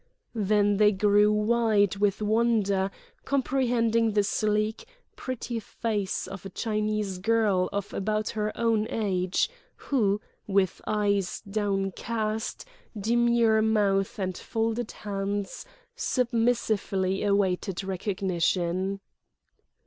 Then they grew wide with wonder, comprehending the sleek, pretty face of a Chinese girl of about her own age who, with eyes downcast, demure mouth and folded hands, submissively awaited recognition.